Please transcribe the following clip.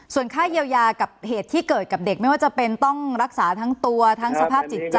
ส่วนค่าเยียวยากับเหตุที่เกิดกับเด็กไม่ว่าจะเป็นต้องรักษาทั้งตัวทั้งสภาพจิตใจ